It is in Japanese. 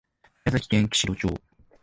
宮崎県木城町